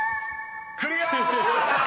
［クリア！］